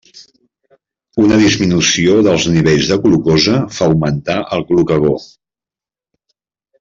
Una disminució dels nivells de glucosa fa augmentar el glucagó.